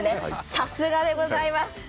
さすがでございます。